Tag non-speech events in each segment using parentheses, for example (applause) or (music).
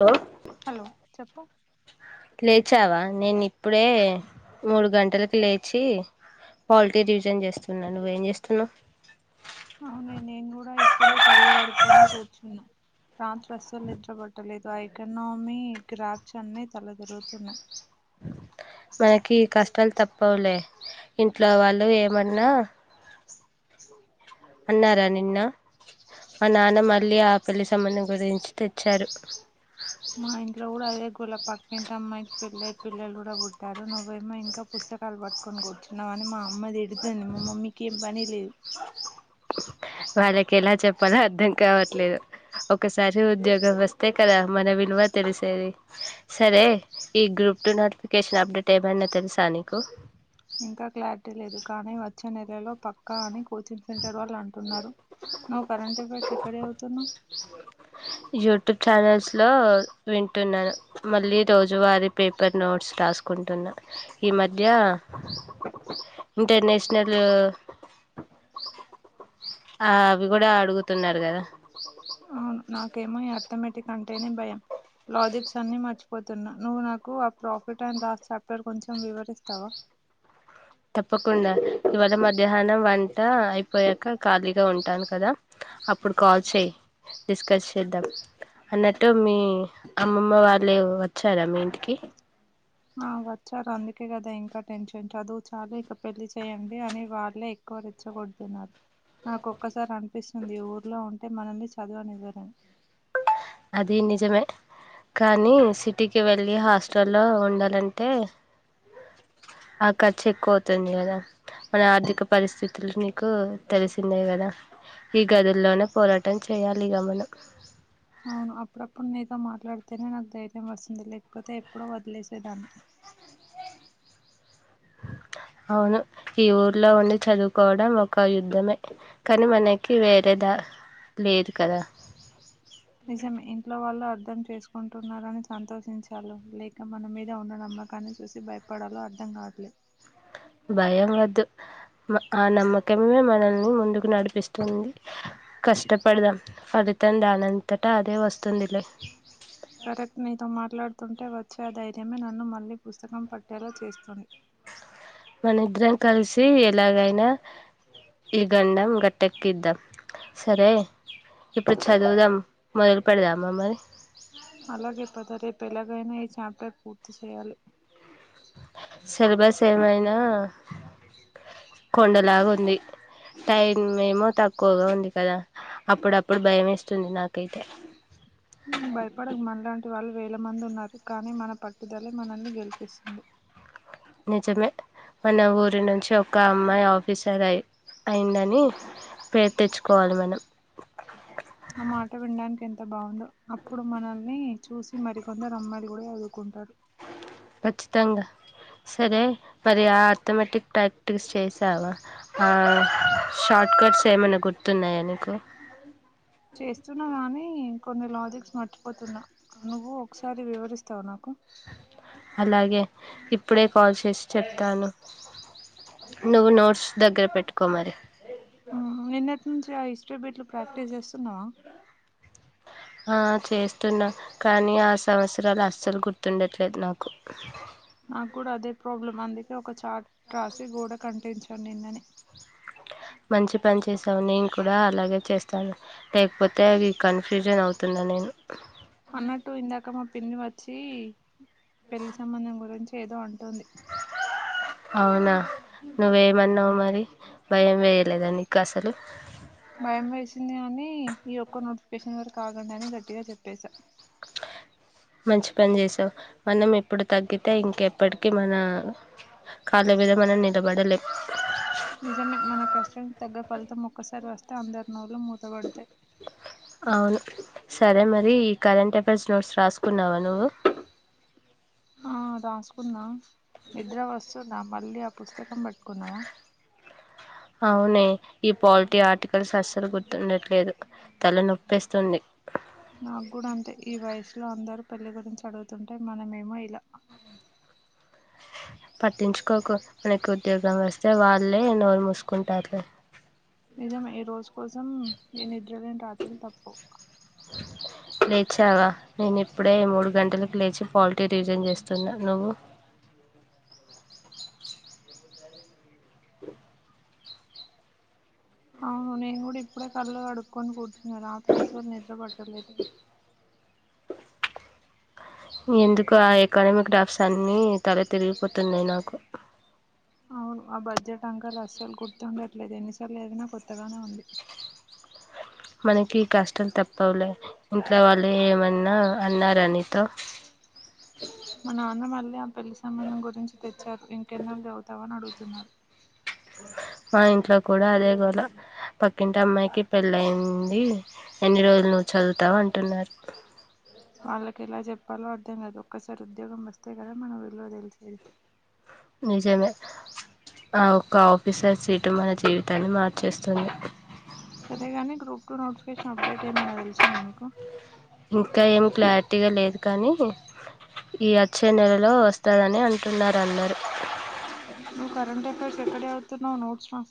Hello hello చెప్పు లేచావా నేను ఇప్పుడే మూడు గంటలకి లేచి పాలిటీ రివిజన్ చేస్తున్నా నువ్వు ఏం చేస్తున్నావు అవునే నేను కూడా ఇప్పుడే కళ్ళు కడుకొని కూర్చున్నా రాత్రి అస్సలు నిద్ర పట్టలేదు ఆ ఎకానమీ గ్రాప్స్ అన్ని తల తిరుగుతున్నాయి మనకి కష్టాలు తప్పవులే ఇం ఇంట్లో వాళ్ళు ఏమన్నా అన్నారా నిన్ను మా నాన్న మళ్ళీ ఆ పెళ్లి సంబంధం గురించి తెచ్చారు మా ఇంట్లో కూడా అదే కుల ప ఇంట్లో అమ్మాయికి పెళ్లి అయి పిల్లలు కూడా పుట్టారు నువ్వేమో ఇంకా పుస్తకాలు పట్టుకోని కూర్చున్నావా అని మా అమ్మ తిడ అయిపోయింది మా మమ్మీకి పని ప్లీజ్ వాళ్ళకి ఎలా చెప్పాలో అర్థం కావట్లేదు ఓ ఒకసారి ఉద్యోగం వస్తే కదా మన విలువ తెలిసేది సరే ఈ గ్రూప్ టు నోటిఫికేషన్ అప్డేట్ ఏమన్నా తెలుసా నీకు ఇంకా క్లారిటీ లేదు కానీ వచ్చే నెలలో పక్క అని కోచింగ్ సెంటర్ వాళ్ళు అంటున్నారు నువ్వు కరెంట్ అఫైర్స్ ఎక్కడ చదు తున్నావ్ యూట్యూబ్ ఛానల్స్లో వింటున్నాను మళ్ళీ రోజువారీ పేపర్ నోట్స్ రాసుకుంటున్నాను ఈ మధ్య ఇంటర్నేషనల్ ఆ అవి కూడా అడుగుతున్నారు కదా అవును నాకేమో అర్థమేటిక్ అంటేనే భయం లాజిక్స్ అన్ని మర్చిపోత చెబుతున్నా నువ్వు నాకు ప్రాఫిట్ అండ్ లాస్ చాప్టర్ కొంచెం వివరిస్తావా తప్పకుండా ఇవాళా మధ్యాహ్నం వంట అయిపోయాక ఖాళీ ఇంట్లో ఉంటాను కదా అప్పుడు కాల్ చేయి డిస్కస్ చేద్దాం అన్నట్టు మీ అమ్మమ్మ వాళ్ళే వచ్చారా మీ ఇంటికి ఆ వచ్చారు అందుకే కదా ఇంకా టెన్షన్ చదువు చాలు ఇక పెళ్లి చేయండి అని వాళ్ళే ఎక్కువ రెచ్చగొడుతున్నారు నాకు ఒక్కసారి అనిపిస్తుంది ఊర్లో ఉండ అంటే మనల్ని చదువ నివ్వరు అది నిజమే కానీ సిటీకి వెళ్ళి హాస్టల్లో ఉండాలంటే ఆ ఖర్చు ఎక్కువ అవుతుంది కదా మన ఆర్థిక పరిస్థితులు నీకు తెలిసిందే కదా ఈ గదుల్లోనే పోరాటం చేయాలిక మనం అవును అప్పుడప్పుడు ని నీతో మాట్లాడితేనే నాకు ధైర్యం వస్తుంది లేకపోతే ఎప్పుడో వదిలేసేదాన్ని అవును ఈ ఊర్లో ఉండి చదువుకోవడం ఒక యుద్ధమే కానీ మనకి వేరే దారి లేదు కదా నిజమే ఇంట్లో వాళ్ళు అర్థం చేసుకుంటున్నారని సంతోషించాలో లేక మన మీద ఉన్న నమ్మకాన్ని చూసి భయపడాలో అర్థం కావట్లే భయం వద్దు ఆ నమ్మకమే మనల్ని ముందుకు నడిపిస్తుంది కష్టపడదాం ఫలితం దానింతటా అదే వస్తుంది లే సరే అయితే నీతో మాట్లాడు తుంటే వచ్చే ఆ ధైర్యమే నన్ను మళ్ళీ పుస్తకం పట్టేలా చేస్తుంది మన ఇద్దరం కలిసి ఎలాగైనా ఈ గండం గట్టెక్కిద్దాం సరే ఇప్పుడు చదువుదాం మొదలు పెడదాం మ మరి అలాగే పద రేపెలాగ్ (unintelligible) పూర్తి చెయాలి సిలబస్ ఏమైనా కొండలాగా ఉంది టైం ఏమో తక్కువగా ఉంది కదా అప్పుడప్పుడు భయం వస్తుంది నాకైతే భయపడక్ మనలాంటి వాళ్ళు వేల మంది ఉన్నారు కానీ మన పట్టుదలె మనల్ని గెలిపిస్తుంది నిజమే మన ఊరి నుంచి ఒక అమ్మాయి ఆఫీసర్ అయి అయిందని పేరు తెచ్చుకోవాలి మనం అవును అప్పుడు మనల్ని చూసి మరికొందరు అమ్మాయిలు కూడా చదువుకుంటారు ఖచ్చితంగా సరే మరి ఆ అథమటిక్ టాక్టిక్స్ చేసావా ఆ షార్ట్ కట్స్ ఏమైనా గుర్తున్నాయా నీకు చేస్తున్నా గాని కా కొన్ని లాజిక్స్ మర్చిపోతున్నా నువ్వు ఒకసారి వివరిస్తావు నాకు అయ్యె ఇప్పుడే కాల్ చేసి చెప్తాను నువు నోడ్స్ దగ్గర పెట్టుకోమరి టిబెట్లు ప్రాక్టీస్ చేస్తున్నావా ఆ చేస్తున్నా కానీ ఆ సంవత్సరాలు అస్సలు గుర్తుండట్లేదు నాకు నాకు కూడా అదే ప్రాబ్లమ్ అందుకే ఒక చార్ట్ రాసి గోడ కంటించ నిన్న నె మంచి పని చేసావు నేను కూడా అలాగే చేస్తాను లేకపోతే అవి కన్ఫ్యూజన్ అవుతున్న నేను అన్నట్టు ఇందాకమ పి పిన్ని వచ్చి పెళ్లి సంబంధం గురించి ఏదొ అంది అవునా నువ్వెమన్నవ్ మరి భయం వేయలేదా నీకు అసలు భయం వేసింది కాని ఈ ఒక్క నోటిఫికేషన్ వర కాగండి అని గట్టిగా చెప్పెసా మంచి పని చేసావ్ మనం ఎప్పుడు తగ్గితే ఇంకెప్పటికి మన కాళ్ళ మీద మనం నిలబడలేం నిజమే మన కష్టానికి తగ్గ ఫలితం ఒక్కసారి వస్తే అందరు నోళ్లు మూతబడతాయి అవును సరే మరి ఈ కరెంట్ అఫైర్స్ నోట్స్ రాసుకున్నావా నువ్వు మ్ రాస్ కు (inaudible) ఇద్దరా వస్తు నా మళ్ళీ ఆ పుస్తకం పట్టుకున్నావా అవునే ఈ పాలిటీ ఆర్టికల్స్ అస్సలు గుర్తుండట్లేదు తల్లనొప్పేస్తుంది నాకు కూడా అంతే ఈ వయసులో అందరూ పెళ్లి గురించి అడుగుతుంటే మనమేమో ఇలా పట్టించుకోక మనకి ఉద్యోగం వస్తే వాళ్ళే నోరు మూసుకుంటారులే నిజమే ఈ రోజు కోసం ఈ నిద్ర లేని రాత్రులు తప్పు లేచావా నేను ఇప్పుడే మూడు గంటలకు లేచి పాలిటీ రివిజన్ చేస్తున్నా నువ్వు అవును నేను కూడా ఇప్పుడే కళ్ళు కడుక్కొని కూర్చున్నా రాత్రి అసలు నిద్ర పట్టలేదు ఎందుకు ఆ ఎకానమిక్ గ్రాఫ్స్ అన్నీ తల తిరిగిపోతున్నాయి నాకు అవును ఆ బడ్జెట్ అంకలు అస్సలు గుర్తుండట్లేదు ఎన్నిసార్లు చదివినా కొత్తగానే ఉంది మనకీ కష్టం తప్పవులే ఇంట్లో వాళ్ళు ఏమన్నా అన్నారా నీతో మా నాన్న మళ్ళీ ఆ పెళ్లి సంబంధం గురించి తెచ్చారు ఇంకెన్నాళ్ళు చదువుతావు అని అడుగు తున్నారు మా ఇంట్లో కూడా అదే గోల పక్కింటి అమ్మాయికి పెళ్ళయ్యింది ఎన్ని రోజులు నువ్వు చదువుతావు అంటున్నారు పాలో అర్థం కాదు ఒక్కసారి ఉద్యోగం వస్తే కదా మన విలువ తెలిసేది నిజమే ఆ ఒక్క ఆఫీసర్ సీటు మన జీవితాన్ని మార్చేస్తుంది సరేగాని గ్రూప్ టూ నోటిఫికేషన్ అప్డేట్ ఏమైనా తెలిసిందా నీకు ఇంకా ఏమి క్లారిటీగా లేదు కానీ ఈ వచ్చే నెలలో వస్తాదని అంటున్నారు అందరూ నువ్ కరంట్ అఫైర్స్ ఎక్కడ చదువుతున్నవ్ నోట్స్ ల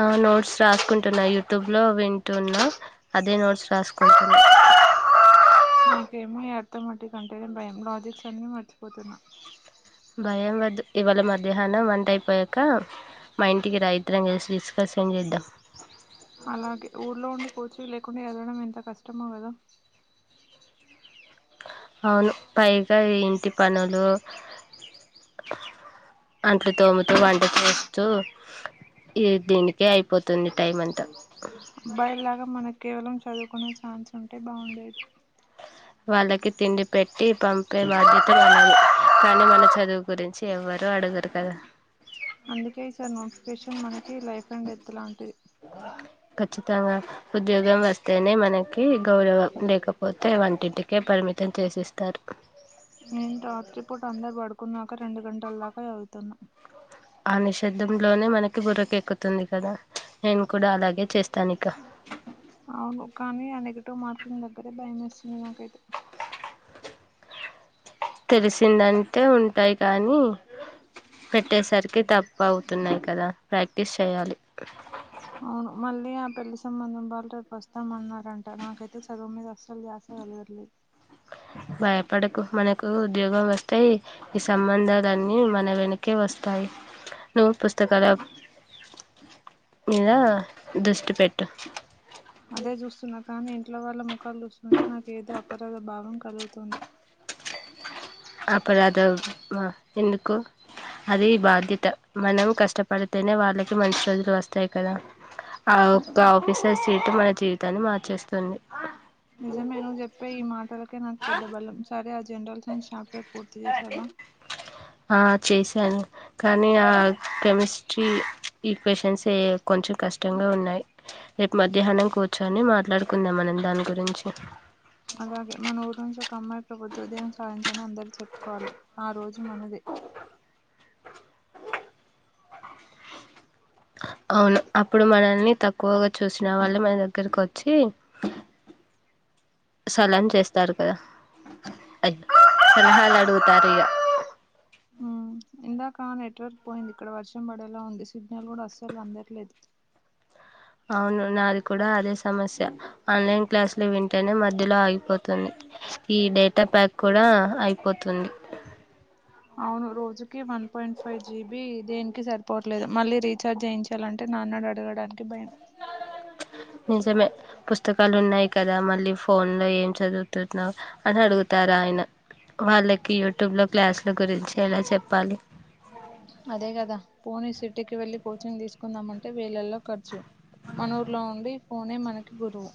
ఆ నోట్స్ రాసుకుంటున్నా యూ ట్యూబ్ లో వింటున్నా అదే నోట్స్ రాస్కుంటున్నా త్తమోటి కంటే భయం లాజిక్స్ అన్నీ మర్చిపోతున్నా భయం వద్దు ఇవాళ మధ్యాహ్నం వంట అయిపోయాక మా ఇంటికి రా ఇద్దరం కలిసి డిస్కసింగ్ చేద్దాం అలాగే ఊర్లో ఉండి కూచి లే కుని ఎళ్ళడం ఎంత కష్టమో కదా అవును పైగా ఇంటి పనులు అంట్లు తోముతూ వంట చేస్తూ ఈ దీనికే అయిపోతుంది టైం అంతా అబ్బాయిల్లాగా మనకి కేవలం చదువుకునే ఛాన్స్ ఉంటే బావుండే వాళ్ళకి తిండి పెట్టి పంపే బాధ్యత (unintelligible) కానీ మన చదువు గురించి ఎవ్వరు అడగరు కదా అందుకే ఈ సారి నోటిఫికేషన్ మనకి లైఫ్ అండ్ డెత్ లాంట్ కచ్చితంగా ఉద్యోగం వస్తేనే మనకి గౌరవం లేకపోతే వంటింటికే పరిమితం చేసేస్తారు నేను రాత్రి పూట అందరూ పడుకున్న క రెండు గంటల దాకా వెళ్తున్నా ఆ నిషద్దంలోనే మనకి బుర్రకెక్కుతుంది కదా నేను కూడా అలాగే చేస్తాను ఇక అవును కానీ ఆ నెగిటివ్ మార్కింగ్ దగ్గరే భయం వేస్తుంది నాకైతే తెలిసిందంటే ఉంటాయి కానీ పెట్టేసరికి తప్ పౌవుతున్నాయి కదా ప్రాంక్ తీస్ యెయ్యాలి అవును మళ్ళీ ఆ పెళ్లి సంబంధం వాళ్ళు రేపు వస్తామన్నారంట నాకైతే చదువు మీద అస్సలు ధ్యాసగలగట్లే. భయపడకు మనకు ఉద్యోగం వస్తే ఈ సంబంధాలన్నీ మన వెనకే వస్తాయ్ నువ్వు పుస్తకాల మీద దృష్టి పెట్టు అదే చూస్తున్నార్ కానీ ఇంట్లో వాళ్లము క్కళుస్తుంటే నాకు ఏదో అపరాధ భావం కలుగుతుంది అపరాధ మ ఎందుకు అది బాధ్యత మనం కష్టపడితేనే వాళ్ళకి మంచి రోజులు వస్తాయ్ కదా, ఆ ఒక్క ఆఫీసర్ సీట్ మన జీవితాన్ని మార్చేస్తుంది. నిజమే నువ్ జెప్పే ఈ మాటలకే నాకు పెద్ద బలం సరే అజ్ జెనరల్ సైన్స్ చాప్టర్ పూర్తి జేసావ ఆ చేశాను కానీ ఆ కెమిస్ ఛీ ఈ క్వేషన్సే కొంచెం కష్టంగా ఉన్నాయి, రేపు మధ్యాహ్నం కూర్చొ అని మాట్లాడుకుందాం మనం దాని గురించి అలాగే మన ఊరు నుంచి ఒక అమ్మాయి ప్రభుత్వోద్యోగం సాధించ్ అని అందరు చెప్పుకోవాలి ఆ రోజు మనదే అవును అప్పుడు మనల్ని తక్కువగా చూసిన వాళ్లే మన దగ్గరకు వచ్చి సలాం చేస్తారు కదా, అ సలహాలు అడుగుతారిగ కా నెట్ వర్క్ పోయింది. ఇక్కడ వర్షం బడేలా ఉంది సిగ్నల్ కూడా అస్సల్ అందట్లేద్. అవును నాది కూడా అదే స్ సమస్య ఆన్లైన్ క్లాసులు వింటేనే మధ్యలో ఆగిపోతుంది ఈ డే లాప్ ట్యాప్ కూడా అయిపోతుంది అవును రోజుకి వన్ పాయింట్ ఫైవ్ జీబి దేనికి సరిపోవట్లేదు, మళ్ళీ రీఛార్జ్ జేయించాలంటే నాన్నడు అడగడానికి భయం. నిజమే పుస్తకాలు ఉన్నాయి కదా మళ్ళీ ఫోన్లో ఏం చదువుతున్నావు అని అడుగుతారు ఆయన, వాళ్ళకి యూట్యూబ్లో క్లాసుల గురించి ఎలా చెప్పాలి. అదే కదా పోణె సిటీకి వెళ్ళి కోచింగ్ తీసుకుందామంటే వేలల్లో ఖర్చు. మనూర్లో ఉండి పోణె మనకి గురువు.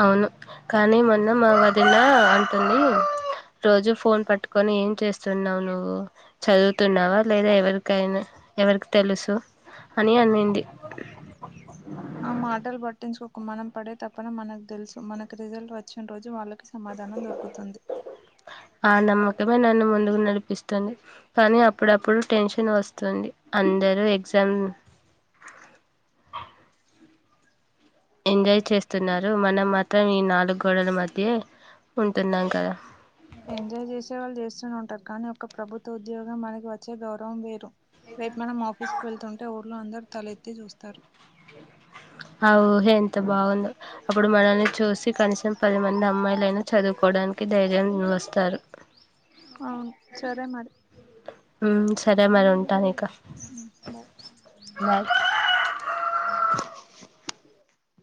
అవును కానీ మొన్న మా వదిన అంటుంది రోజు ఫోన్ పట్టుకొని ఏం చేస్తున్నావు నువ్వు చదువుతున్నావా లేదా ఎవరికైనా ఎవరికి తెలుసు అని అన్నింది ఆ మాటలు పట్టించుకోకు మనం పడే తప్పన మనకు తెలుసు, మనకి రిజల్ట్ వచ్చిన రోజు వాళ్ళకి సమాధానం దొరుకుతుంది. ఆ నమ్మకమే నన్ను ముందుకు నడిపిస్తుంది, కానీ అప్పుడప్పుడు టెన్షన్ వస్తుంది. అందరూ ఎగ్జామ్ ఎంజాయ్ చేస్తున్నారు. మనం మాత్రం ఈ నాలుగు గోడల మధ్యే ఉంటున్నాం కదా, ఎంజాయ్ జేసేవాళ్ళు జేస్ ఉంటారు కానీ ఒక ప్రభుత్వ ఉద్యోగం మనకి వచ్చే గౌరవం వేరు రేపు మనమ్ ఆఫీస్ కి వెళ్తుంటే ను అందరు తలెత్తి చూస్తారు ఆ ఊహ ఎంత బాగుందో అప్పుడు మనల్ని చూసి కనీసం పది మంది అమ్మాయిల అయినా చదువుకోవడానికి ధైర్యం వస్తారు అవును సరే మరి మ్ తరే మరి ఉంటాను ఇక బాయ్ బాయ్